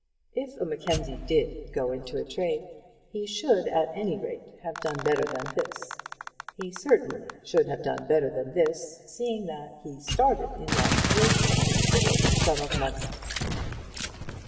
If a Mackenzie did go into trade, he should, at any rate, have done better than this. He certainly should have done better than this, seeing that he started in life with a considerable sum of money.